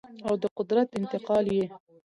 او د قدرت انتقال یې